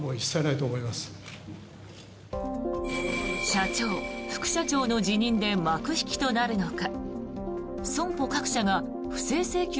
社長・副社長の辞任で幕引きとなるのか。